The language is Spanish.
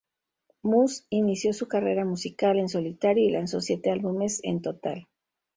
Mus inició su carrera musical en solitario y lanzó siete álbumes en total.